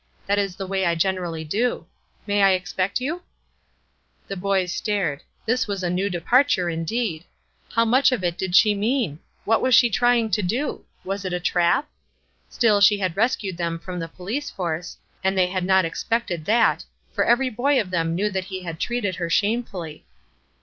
That is the way I generally do. May I expect you?" The boys stared. This was a new departure, indeed! How much of it did she mean? What was she trying to do? Was it a trap? Still she had rescued them from the police force, and they had not expected that, for every boy of them knew that he had treated her shamefully.